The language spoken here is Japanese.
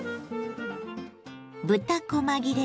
豚こま切れ